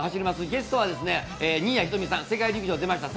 ゲストは新谷仁美さん、世界陸上に出ました。